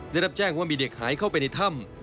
ได้รับแจ้งว่ามีเด็กหายเข้าไปในถ้ำ